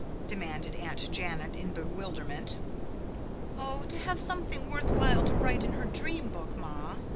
demanded Aunt Janet in bewilderment. "Oh, to have something worth while to write in her dream book, ma.